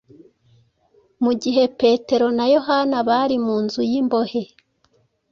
Mu gihe Petero na Yohana bari mu nzu y’imbohe,